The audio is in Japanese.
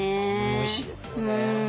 おいしいですよね。